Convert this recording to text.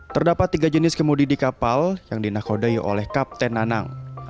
terdapat tiga jenis kemudi di kapal yang dinakodai oleh kapten anang